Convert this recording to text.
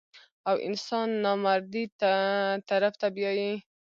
او انسان نامردۍ طرف ته بيائي -